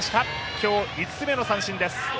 今日５つ目の三振です。